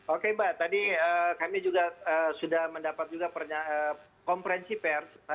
oke mbak tadi kami juga sudah mendapat juga konferensi pers